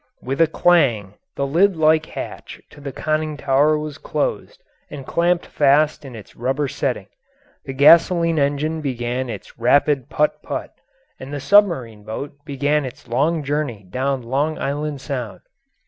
With a clang the lid like hatch to the conning tower was closed and clamped fast in its rubber setting, the gasoline engine began its rapid phut phut, and the submarine boat began its long journey down Long Island Sound.